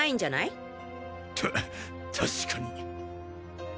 確かに。